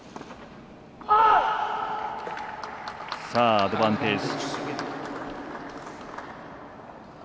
アドバンテージ。